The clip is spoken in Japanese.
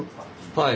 はい。